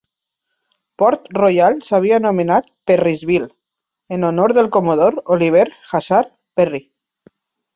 Port Royal s'havia anomenat Perrysville, en honor del comodor Oliver Hazard Perry.